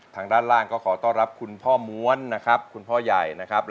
ทางด้านล่างก็ขอต้อนรับคุณพ่อม้วนนะครับคุณพ่อใหญ่นะครับ